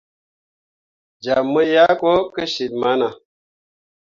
Jam mu yah ko kecil mana.